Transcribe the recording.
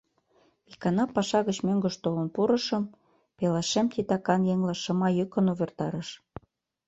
Икана паша гыч мӧҥгыш толын пурышым, пелашем титакан еҥла шыма йӱкын увертарыш: